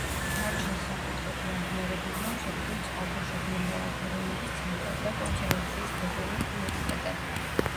მარჯნის სამკუთხედი აღიარებულია მსოფლიოს წყალქვეშა ბიომრავალფეროვნების ცენტრად და კონსერვაციის გლობალურ პრიორიტეტად.